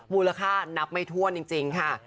มูลค่านับไม่ถ้วนจริงค่ะ